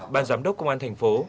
ban giám đốc công an thành phố